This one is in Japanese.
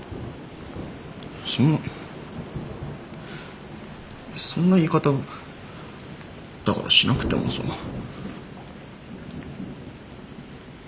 そんなそんな言い方をだからしなくてもさあ。